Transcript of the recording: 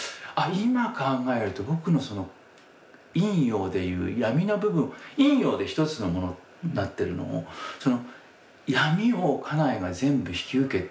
今考えると僕のその陰陽でいう闇の部分陰陽でひとつのものになってるのをその闇を家内が全部引き受けて。